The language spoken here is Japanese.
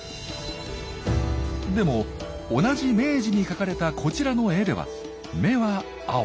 でも同じ明治に描かれたこちらの絵では目は青。